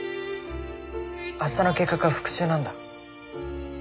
明日の計画は復讐なんだ。